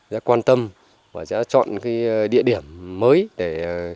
sẽ quan tâm và sẽ chọn cái địa điểm mới để